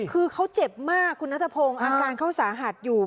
คือเขาเจ็บมากคุณนัทพงศ์อาการเขาสาหัสอยู่